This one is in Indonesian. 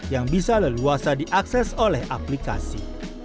yang bisa leluasa diakses oleh aplikasi